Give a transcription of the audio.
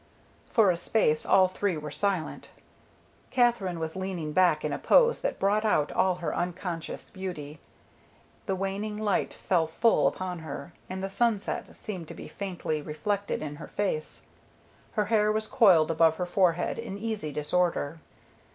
For a space all three were silent. Katherine was leaning back in a pose that brought out all her unconscious beauty. The waning light fell full upon her, and the sunset seemed to be faintly reflected in her face. Her hair was coiled above her forehead in easy disorder.